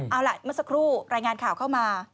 เอาล่ะเมื่อสักครู่รายงานข่าวเข้ามา